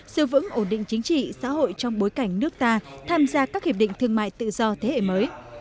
sự vững ổn định chính trị xã hội trong bối cảnh nước ta tham gia các hiệp định thương mại tự do thế hệ mới